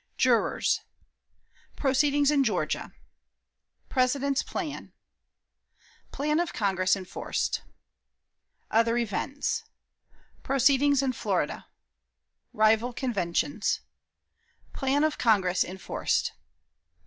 Jurors. Proceedings in Georgia. President's Plan. Plan of Congress enforced. Other Events. Proceedings in Florida. Rival Conventions. Plan of Congress enforced.